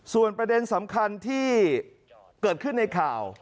ส่วนประเด็นสำคัญที่เกิดขึ้นในข่าว